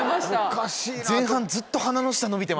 おかしいなと。